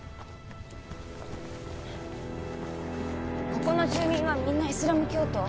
ここの住民はみんなイスラム教徒？